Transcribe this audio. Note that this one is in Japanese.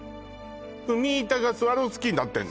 踏み板がスワロフスキーになってんの？